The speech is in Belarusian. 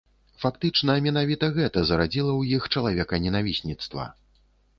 Фактычна, менавіта гэта зарадзіла ў іх чалавеканенавісніцтва.